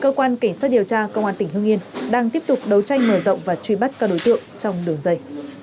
cơ quan cảnh sát điều tra công an tỉnh hương yên đang tiếp tục đấu tranh mở rộng và truy bắt các đối tượng trong đường dây